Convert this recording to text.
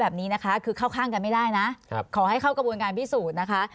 แบบนี้นะคะคือเข้าข้างกันไม่ได้นะขอให้เข้ากระบวนการพิสูจน์นะคะ